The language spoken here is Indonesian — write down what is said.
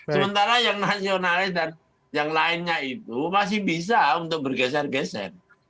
sementara yang nasionalis dan yang lainnya itu masih bisa untuk bergeser geser